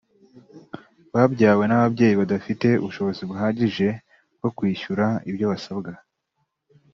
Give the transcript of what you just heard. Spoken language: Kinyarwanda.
babyawe n’ababyeyi badafite ubushobozi buhagije bwo kwishyura ibyo basabwa